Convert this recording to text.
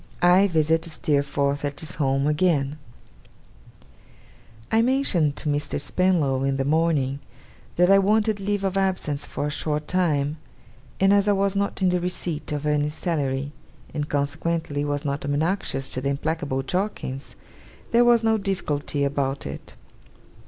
I VISIT STEERFORTH AT HIS HOME, AGAIN I mentioned to Mr. Spenlow in the morning, that I wanted leave of absence for a short time; and as I was not in the receipt of any salary, and consequently was not obnoxious to the implacable Jorkins, there was no difficulty about it.